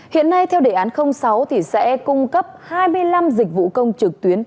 hiện nay theo đề án sáu thì sẽ cung cấp hai mươi năm dịch vụ công trực tuyến